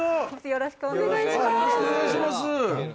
よろしくお願いします。